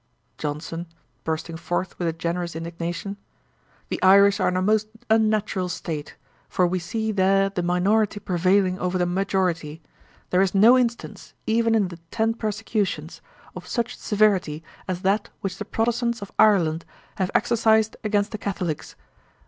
JOHNSON, (bursting forth with a generous indignation,) 'The Irish are in a most unnatural state; for we see there the minority prevailing over the majority. There is no instance, even in the ten persecutions, of such severity as that which the protestants of Ireland have exercised against the Catholicks.